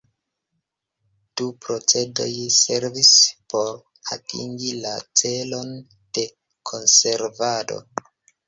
Du procedoj servis por atingi la celon de konservado.